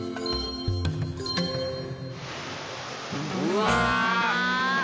うわ！